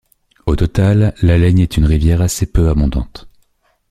Au total, la Laigne est une rivière assez peu abondante.